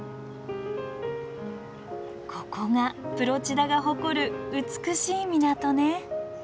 ここがプロチダが誇る美しい港ね。